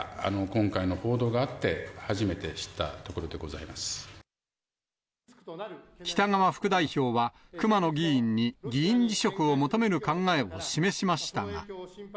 今回の報道があって、初めて知っ北側副代表は、熊野議員に議員辞職を求める考えを示しましたが。